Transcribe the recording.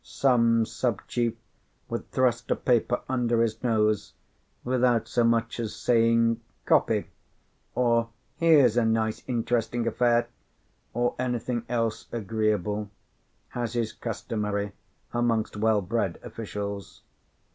Some sub chief would thrust a paper under his nose without so much as saying, "Copy," or "Here's a nice interesting affair," or anything else agreeable, as is customary amongst well bred officials.